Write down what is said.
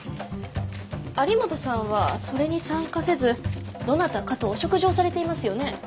有本さんはそれに参加せずどなたかとお食事をされていますよね？